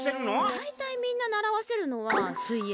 だいたいみんなならわせるのは水泳。